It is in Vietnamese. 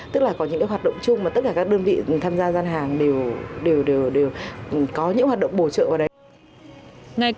tức là có những hoạt động chung mà tất cả các đơn vị tham gia gian hàng đều có những hoạt động bổ trợ vào đấy